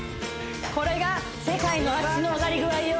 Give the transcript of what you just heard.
これが世界の脚の上がり具合よ